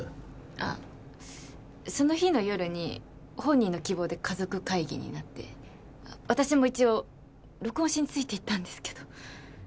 あっその日の夜に本人の希望で家族会議になって私も一応録音しについていったんですけど。